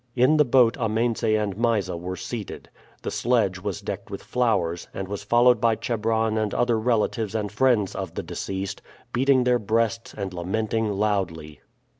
In the boat Amense and Mysa were seated. The sledge was decked with flowers, and was followed by Chebron and other relatives and friends of the deceased, beating their breasts and lamenting loudly.